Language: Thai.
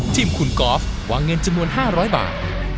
ทิมคุณก๊อฟวางเงินจะมวล๕๐๐บาท